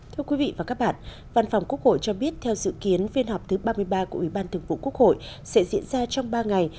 thưa quý vị và các bạn văn phòng quốc hội cho biết theo dự kiến phiên họp thứ ba mươi ba của ủy ban thường vụ quốc hội sẽ diễn ra trong ba ngày